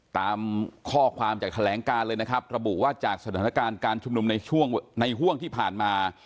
ตามข้อความจากแถลงการเลยนะครับระบุว่าจากสถานการณ์การชุมนุมในช่วงในห่วงที่ผ่านมา